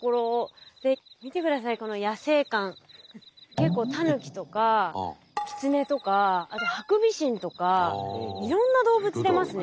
結構タヌキとかキツネとかあとハクビシンとかいろんな動物出ますね。